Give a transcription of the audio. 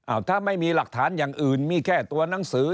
ถ้าไม่มีหลักฐานอย่างอื่นมีแค่ตัวหนังสือ